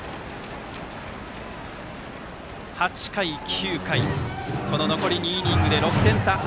８回、９回残り２イニングで６点差。